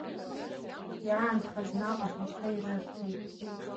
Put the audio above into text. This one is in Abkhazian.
Иаанхаз наҟ аҳәақәа ирырҭеит.